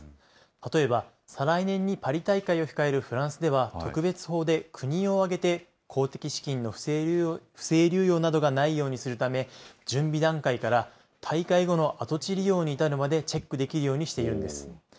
例えば、再来年にパリ大会を控えるフランスでは、特別法で国を挙げて公的資金の不正流用などがないようにするため、準備段階から大会後の跡地利用に至るまでチェックできるようにしているんです。